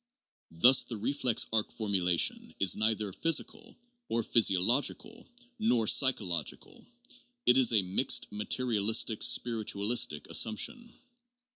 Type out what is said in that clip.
Thus the reflex arc formulation is neither physical (or ph}'si ological) nor psychological ; it is a mixed materialistic spiritu alistic assumption.